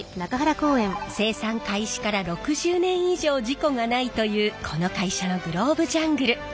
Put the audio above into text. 生産開始から６０年以上事故がないというこの会社のグローブジャングル。